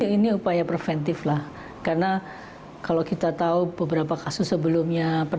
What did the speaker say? ini upaya preventif lah karena kalau kita tahu beberapa kasus sebelumnya